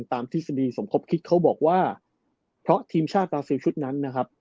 ทฤษฎีสมคบคิดเขาบอกว่าเพราะทีมชาติบราซิลชุดนั้นนะครับ